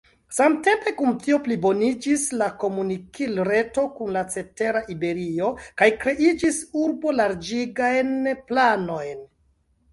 Samtempe kun tio pliboniĝis la komunikil-reto kun la cetera Iberio kaj kreiĝis urbo-larĝigajn planojn.